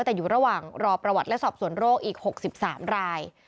แต่อยู่ระหว่างรอประวัติและสอบสวนโรคอีก๖๓ราย